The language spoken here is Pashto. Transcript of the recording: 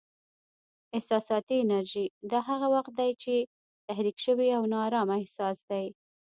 احساساتي انرژي: دا هغه وخت دی چې تحریک شوی او نا ارامه احساس دی.